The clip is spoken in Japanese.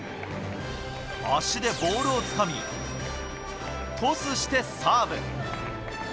足でボールを掴み、トスしてサーブ。